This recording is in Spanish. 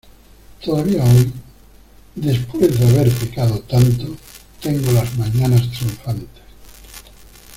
todavía hoy, después de haber pecado tanto , tengo las mañanas triunfantes